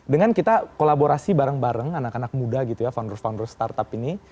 dengan kita kolaborasi bareng bareng anak anak muda gitu ya founder founder startup ini